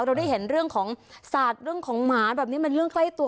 เราได้เห็นเรื่องของสัตว์เรื่องของหมาแบบนี้มันเรื่องใกล้ตัว